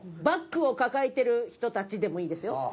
「バッグを抱えてる人たち」でもいいですよ。